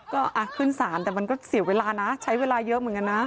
ก็ขึ้นศาลแต่มันก็เสียเวลานะใช้เวลาเยอะเหมือนกันนะ